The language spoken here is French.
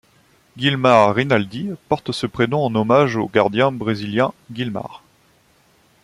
Gilmar Rinaldi porte ce prénom en hommage au gardien Brésilien Gilmar.